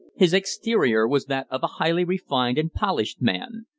His exterior was that of a highly refined and polished man.